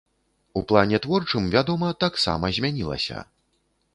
У плане творчым, вядома, таксама змянілася.